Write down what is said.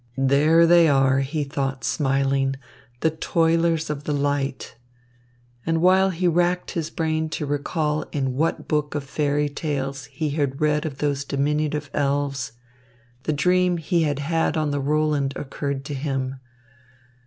"There they are," he thought, smiling, "the Toilers of the Light." And while he racked his brain to recall in what book of fairy tales he had read of those diminutive elves, the dream he had had on the Roland occurred to him.